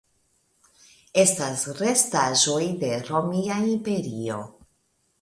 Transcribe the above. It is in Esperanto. Estas restaĵoj de Romia Imperio.